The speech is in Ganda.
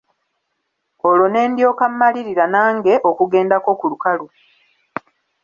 Olwo ne ndyoka mmalirira nange okugendako ku lukalu.